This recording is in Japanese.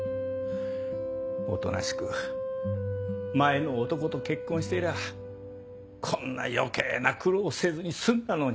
おとなしく前の男と結婚してりゃあこんな余計な苦労をせずに済んだのに。